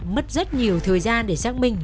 mất rất nhiều thời gian để xác minh